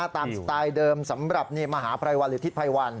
สไตล์เดิมสำหรับมหาภัยวันหรือทิศไพรวัน